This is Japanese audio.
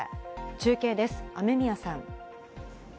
中継です、雨宮さん。